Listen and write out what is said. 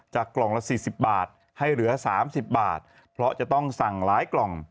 กล่องละ๔๐บาทให้เหลือ๓๐บาทเพราะจะต้องสั่งหลายกล่อง